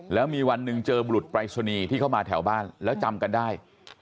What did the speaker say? แล้วมีวันหนึ่งเจอบุรุษปรายศนีย์ที่เข้ามาแถวบ้านแล้วจำกันได้